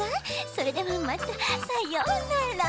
それではまたさようなら。